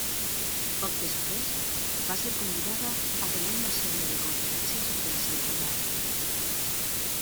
Poc després, va ser convidada a donar una sèrie de conferències sobre el seu treball.